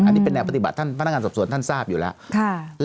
อันนี้เป็นแนวปฏิบัติท่านพนักงานสอบสวนท่านทราบอยู่แล้ว